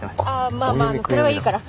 まあまあそれはいいから。